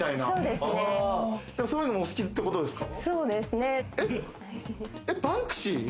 そういうのが、お好きってことですか？